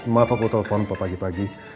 maaf aku telpon pagi pagi